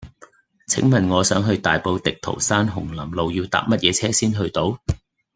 請問我想去大埔滌濤山紅林路要搭乜嘢車先去到